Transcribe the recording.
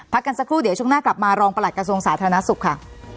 กันสักครู่เดี๋ยวช่วงหน้ากลับมารองประหลัดกระทรวงสาธารณสุขค่ะ